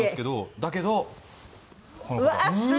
だけどこの子が。